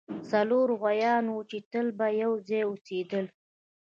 څلور غوایان وو چې تل به یو ځای اوسیدل.